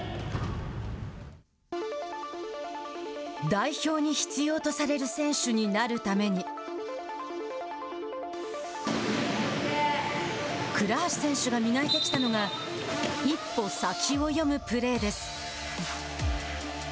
代表に必要とされる選手になるために倉橋選手が磨いてきたのが一歩先を読むプレーです。